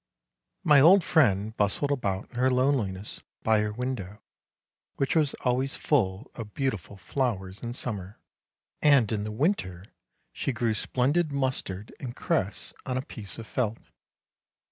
My old friend bustled about in her loneliness by her window, 240 ANDERSEN'S FAIRY TALES which was always full of beautiful flowers in summer, and in the winter she grew splendid mustard and cress on a piece of felt.